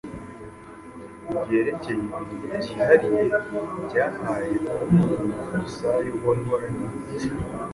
byerekeye ibintu byihariye byabaye kuri uwo mufarisayo wari warahindutse.